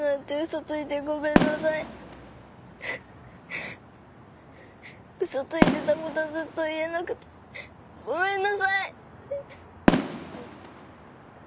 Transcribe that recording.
嘘ついてた事ずっと言えなくてごめんなさい！